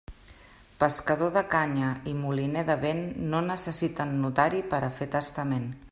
Pescador de canya i moliner de vent no necessiten notari per a fer testament.